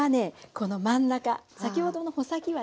この真ん中先ほどの穂先はね